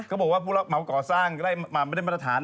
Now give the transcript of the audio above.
เขาบอกว่าผู้รับเหมาก่อสร้างได้ไม่ได้มาตรฐาน